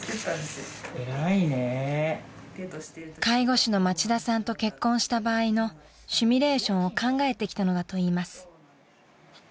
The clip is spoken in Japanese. ［介護士の町田さんと結婚した場合のシミュレーションを考えてきたのだといいます］